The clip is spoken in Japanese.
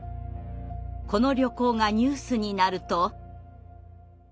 この旅行がニュースになると。